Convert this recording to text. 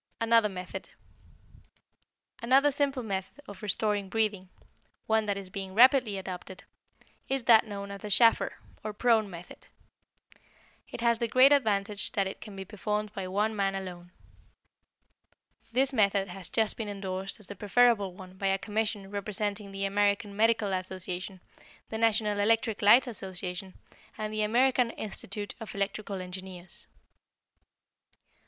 Another Method Another simple method of restoring breathing, one that is being rapidly adopted, is that known as the Schafer, or prone, method. It has the great advantage that it can be performed by one man alone. This method has just been endorsed as the preferable one by a commission representing the American Medical Association, the National Electric Light Association, and the American Institute of Electrical Engineers.